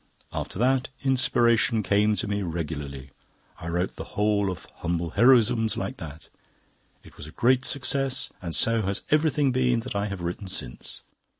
After that, Inspiration came to me regularly. I wrote the whole of 'Humble Heroisms' like that. It was a great success, and so has everything been that I have written since."